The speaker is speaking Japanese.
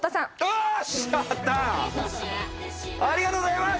ありがとうございます！